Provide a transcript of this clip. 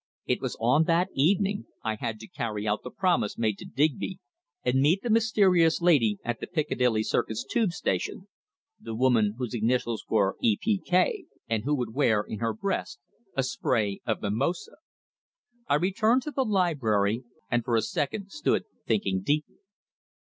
It was on that evening I had to carry out the promise made to Digby and meet the mysterious lady at the Piccadilly Circus Tube Station the person whose initials were "E. P. K." and who would wear in her breast a spray of mimosa. I returned to the library, and for a second stood thinking deeply.